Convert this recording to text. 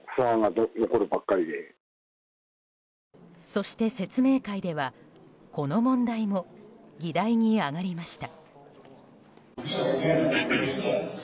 そして説明会ではこの問題も議題に上がりました。